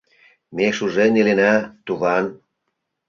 Ме шужен илена, туван!..